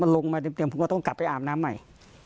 ลงมาเดี๋ยวมันก็ต้องกำลังอาบน้ำใหม่